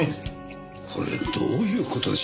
これどういう事でしょう？